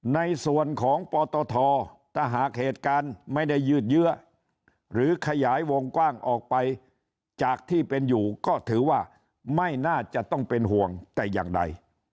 ในส่วนของปตทถ้าหากเหตุการณ์ไม่ได้ยืดเยื้อหรือขยายวงกว้างออกไปจากที่เป็นอยู่ก็ถือว่าไม่น่าจะต้องเป็นห่วงแต่อย่างใด